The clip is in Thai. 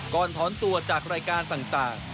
ถอนตัวจากรายการต่าง